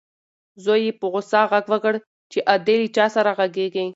زوی یې په غوسه غږ وکړ چې ادې له چا سره غږېږې؟